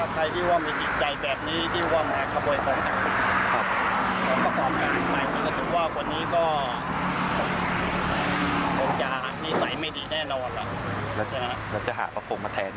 คุณบัญชาหน่อยค่ะ